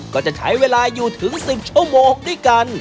ก็จะใช้เวลาอยู่ถึง๑๐ชั่วโมงด้วยกัน